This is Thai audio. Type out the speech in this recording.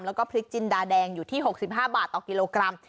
แล้วก็พริกจินดาแดงอยู่ที่๖๕บาทต่อกิโลกรัม